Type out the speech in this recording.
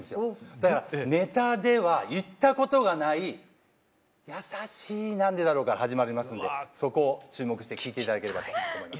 だからネタでは言ったことがないやさしい「なんでだろう」から始まりますのでそこを注目して聴いて頂ければと思います。